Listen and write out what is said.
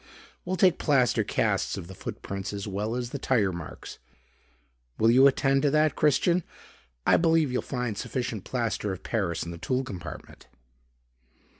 "We'll take plaster casts of the foot prints as well as the tire marks. Will you attend to that Christian? I believe you'll find sufficient plaster of Paris in the tool compartment."